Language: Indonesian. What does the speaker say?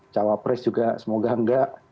cawapres juga semoga enggak